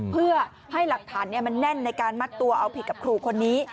เพื่อให้หลักฐานมันแน่นในการมัดตัวเอาผิดกับครูคนนี้